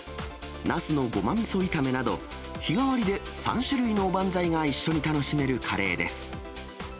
ナスのごま味噌炒めなど、日替わりで３種類のおばんざいが一緒に楽しめるカレーです。